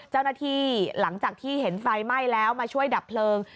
เจ้าหน้าที่หลังจากที่เห็นไฟไหม้แล้วมาช่วยดับเพลิง